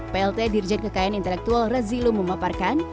plt dirjen kekayaan intelektual rezilu memaparkan